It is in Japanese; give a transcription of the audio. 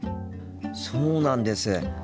そうなんです。